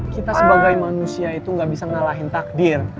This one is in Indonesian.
kita sebagai manusia itu gak bisa ngalahin takdir